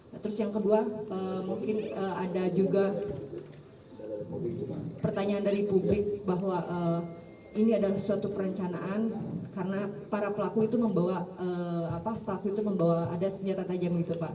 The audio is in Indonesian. nah terus yang kedua mungkin ada juga pertanyaan dari publik bahwa ini adalah suatu perencanaan karena para pelaku itu membawa pelaku itu membawa ada senjata tajam gitu pak